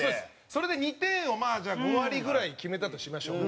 それで、２点を５割ぐらい決めたとしましょう。